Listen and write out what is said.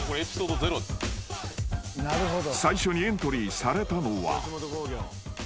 ［最初にエントリーされたのは］